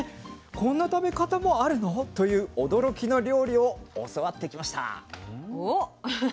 こんな食べ方もあるの？という驚きの料理を教わってきました。